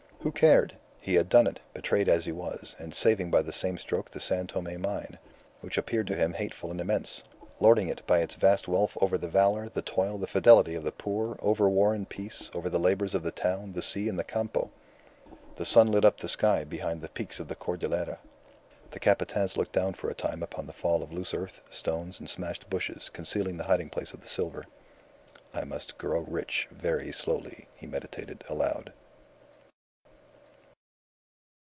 Who cared? He had done it, betrayed as he was, and saving by the same stroke the San Tome mine, which appeared to him hateful and immense, lording it by its vast wealth over the valour, the toil, the fidelity of the poor, over war and peace, over the labours of the town, the sea, and the Campo. The sun lit up the sky behind the peaks of the Cordillera. The Capataz looked down for a time upon the fall of loose earth, stones, and smashed bushes, concealing the hiding place of the silver. "I must grow rich very slowly," he meditated, aloud.